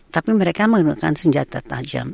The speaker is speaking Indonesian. tapi mereka menggunakan senjata tajam